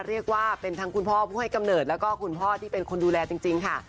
เรียกว่าเป็นทั้งคุณพ่อผู้ให้กำเนิดแล้วก็คุณพ่อที่เป็นคนดูแลจริงค่ะ